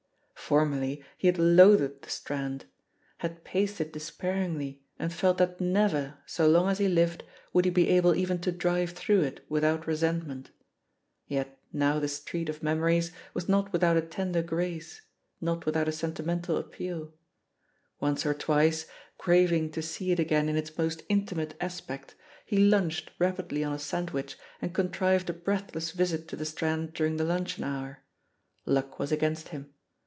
Formerly he had loathed the Strand; had paced it despairingly and felt that never, so long as he lived, would he be able even to drive through it without resentment. Yet now the street of memories was not without a tender grace, not without a sentimental appeal. Once or twice, craving to see it again in its most intimate as pect, he lunched rapidly on a sandwich and con trived a breathless visit to the Strand during the luncheon hour. Luck was against him.